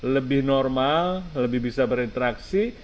lebih normal lebih bisa berinteraksi